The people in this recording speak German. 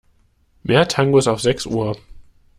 Mehr Tangos auf sechs Uhr.